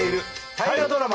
大河ドラマ